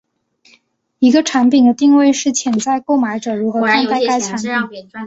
一个产品的定位是潜在购买者如何看待该产品。